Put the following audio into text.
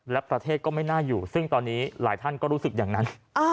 และประเทศก็ไม่น่าอยู่ซึ่งตอนนี้หลายท่านก็รู้สึกอย่างนั้น